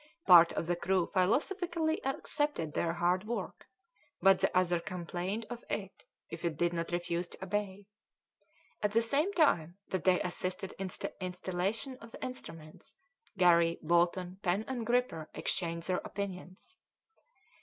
Part of the crew philosophically accepted their hard work, but the other complained of it, if it did not refuse to obey. At the same time that they assisted in the installation of the instruments, Garry, Bolton, Pen and Gripper exchanged their opinions.